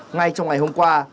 ngay trong ngày hôm qua